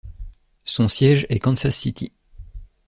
Son siège est Kansas City.